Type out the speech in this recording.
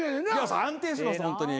安定してますホントに。